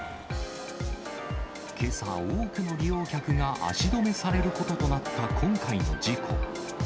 けさ、多くの利用客が足止めされることとなった今回の事故。